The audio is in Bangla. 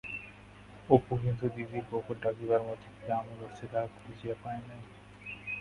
অপু কিন্তু দিদির কুকুর ডাকিবার মধ্যে কি আমোদ আছে তাহা খুঁজিয়া পায় না।